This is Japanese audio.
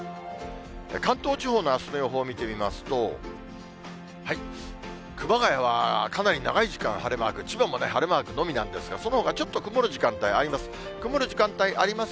関東地方のあすの予報を見てみますと、熊谷はかなり長い時間、千葉も晴れマーク、晴れマークのみなんですが、そのほかちょっと曇る時間帯あります。